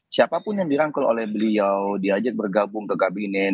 siapapun yang dirangkul oleh beliau diajak bergabung ke kabinet